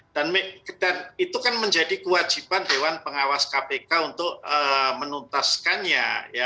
itu kan menjadi kewajiban dewan pengawas kpk untuk menuntaskannya